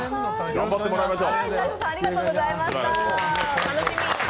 頑張ってもらいましょう！